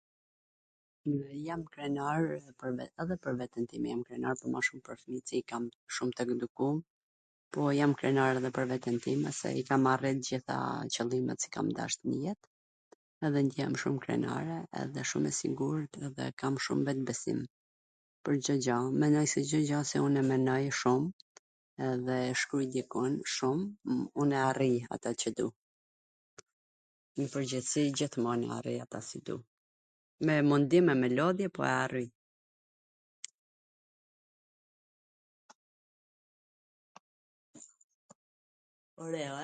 Jam krenar pwr vete, edhe pwr veten time jam krenar, por ma shum pwr fmijt qw i kam shum t mir e t edukum, po, jam krenar edhe pwr veten time, se i kam arrit t gjitha qwllimet qw kam dasht nw jet, edhe jam shum krenare dhe shum e sigurt, dhe kam shum vetbesim pwr Cdo gja, mendoj se Cdo gja si un e menoj shum edhe shkruj dikun shum, un e arrij atw qw du, un n pwrgjithsi gjithmon e arrij atw qw du, me mundim e me lodhje po e arrij.